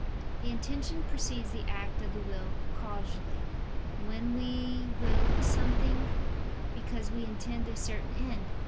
The intention precedes the act of the will causally, when we will something because we intend a certain end.